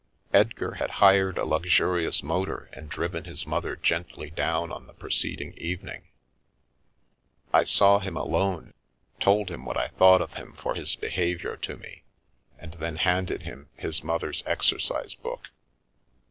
Edgar had hired a luxurious motor and driven his mother gently down on the preceding evening. I saw him alone, told him what I thought of him for his be haviour to me, and then handed him his mother's exer cise book.